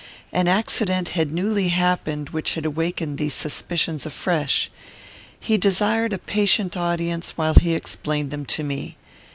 An accident had newly happened which had awakened these suspicions afresh. He desired a patient audience while he explained them to me.